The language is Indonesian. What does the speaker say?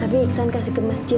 tapi iksan kasih ke masjid